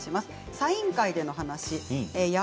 サイン会での話。